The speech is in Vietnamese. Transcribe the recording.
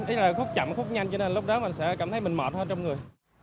tức là khúc chậm khúc nhanh cho nên lúc đó mình sẽ cảm thấy mình mệt hơn trong người